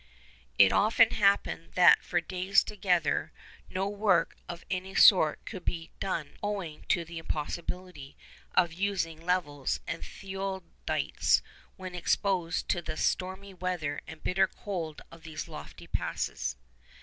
It often happened that for days together no work of any sort could be done owing to the impossibility of using levels and theodolites when exposed to the stormy weather and bitter cold of these lofty passes.